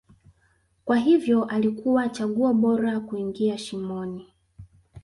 kwa hivyo alikuwa chaguo bora kuingia shimoni